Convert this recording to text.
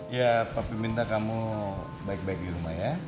ya papi minta kamu baik baik di rumah ya